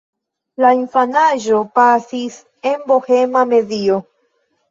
La infanaĝo pasis en bohema medio.